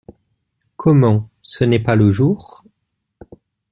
Comment, ce n’est pas le jour ?